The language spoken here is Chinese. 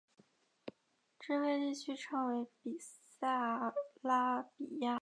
这块地区称为比萨拉比亚。